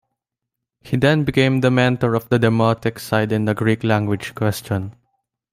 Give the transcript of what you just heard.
He then became the mentor of the Demotic side in the Greek language question.